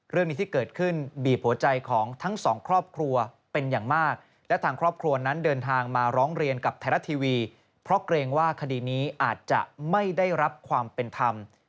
เรื่องนี้ที่เกิดขึ้นบีบหัวใจของทั้งสองครอบครัวเป็นอย่างมากและทางครอบครัวนั้นเดินทางมาร้องเรียนกับไทยรัฐทีวีเพราะเกรงว่าคดีนี้อาจจะไม่ได้รับความเป็นธรรม